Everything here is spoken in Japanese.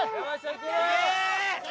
いけ！